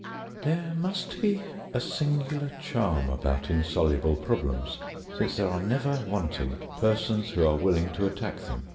_ There must be a singular charm about insoluble problems, since there are never wanting persons who are willing to attack them.